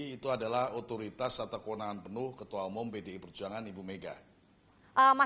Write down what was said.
itu adalah otoritas atau kewenangan penuh ketua umum pdi perjuangan ibu mega